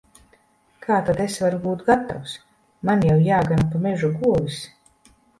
Kā tad es varu būt gatavs! Man jau jāgana pa mežu govis.